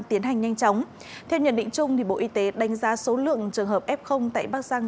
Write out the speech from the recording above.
tiến hành nhanh chóng theo nhận định chung bộ y tế đánh giá số lượng trường hợp f tại bắc giang